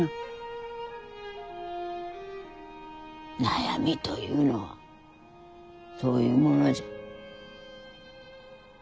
悩みというのはそういうものじゃ。